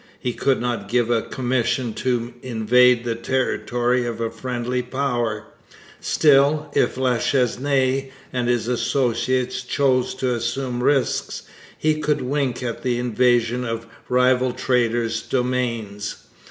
He could not give a commission to invade the territory of a friendly power; still, if La Chesnaye and his associates chose to assume risks, he could wink at an invasion of rival traders' domains.